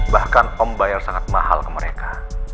bahkan om bayar sangat mahal ke mereka